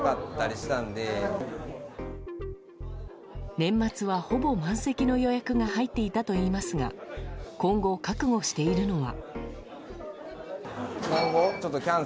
年末は、ほぼ満席の予約が入っていたといいますが今後、覚悟しているのは。